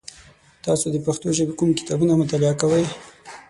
تاسو د پښتو ژبې کوم کتابونه مطالعه کوی؟